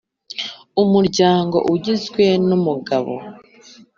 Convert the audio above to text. Umuryango ugizwe nu mugabo,